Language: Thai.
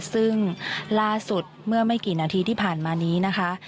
ซึ่งล่าสุดเมื่อไม่กี่นาทีที่ผ่านมานี้นะคะ